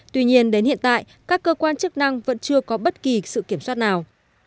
tuy nhiên đến hiện tại các cơ quan chức năng vẫn chưa có bất kỳ sự kiểm soát nào